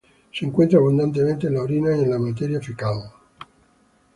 Se encuentra abundantemente en la orina y en la materia fecal.